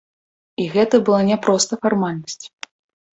І гэта была не проста фармальнасць.